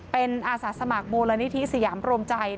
เป็นอาสาสมัครมูลนิธิสยามโรมใจ